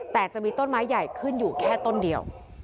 แต่จะมีต้นไม้ใหญ่ขึ้นอยู่แค่ต้นเดียว